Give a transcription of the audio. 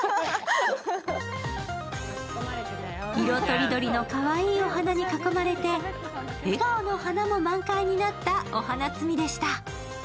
色とりどりのかわいいお花に囲まれて、笑顔の花も満開になったお花つみでした。